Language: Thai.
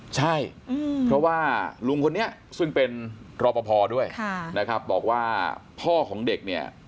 ใช่เพราะว่ารุงคนนี้ที่เป็นรอปภบอกว่าพ่อในเด็กนี่